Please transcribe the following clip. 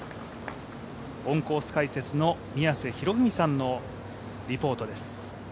オンコース解説の宮瀬博文さんのリポートです。